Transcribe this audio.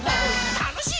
たのしい